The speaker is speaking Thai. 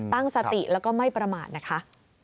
ตั้งสติแล้วก็ไม่ประมาทนะคะ